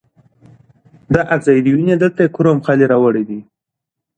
د پښتو ژبې تاریخ ته پام وکړئ.